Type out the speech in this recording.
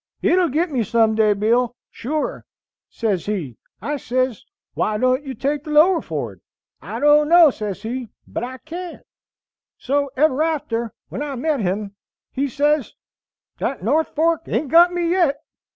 'It'll git me some day, Bill, sure,' sez he. I sez, 'Why don't you take the lower ford?' 'I don't know,' sez he, 'but I can't.' So ever after, when I met him, he sez, 'That North Fork ain't got me yet.'